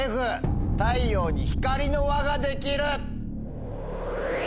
太陽に光の輪ができる。